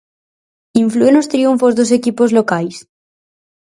Inflúe nos triunfos dos equipos locais?